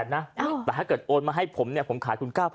๑๑๐๐๐๑๘๐๐๐นะแต่ถ้าเกิดโอนมาให้ผมเนี่ยผมขายคุณ๙๓๐๐บาท